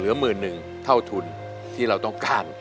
หมื่นหนึ่งเท่าทุนที่เราต้องการ